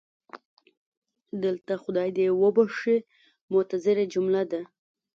دلته خدای دې یې وبښي معترضه جمله ده.